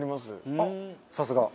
あっさすが！